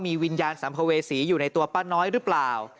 มีวิญญาณสัมภเวษีอยู่ในตัวป้าน้อยหรือเปล่า